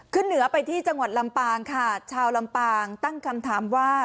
ขึ้นเหนือไปที่จังหวัดลำปางค่ะชาวลำปางตั้งคำถามว่า